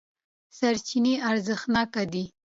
سرچینې ارزښتناکې دي.